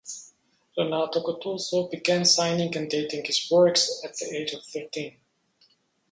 Renato Guttuso began signing and dating his works at the age of thirteen.